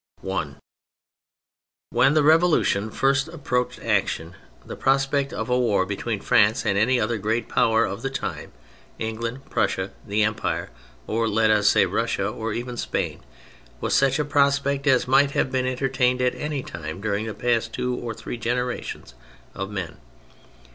ONE When the Revolution first approached action, the prospect of a war between France and any other great Power of the time — England, Prussia, the Empire, or let us say Russia, or even Spain — was such a prospect as might have been entertained at any time during the past two or three generations of men.